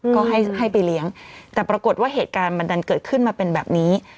ก็ให้ไปเลี้ยงแต่ปรากฏว่าเหตุการณ์มันดันเกิดขึ้นมาเป็นแบบนี้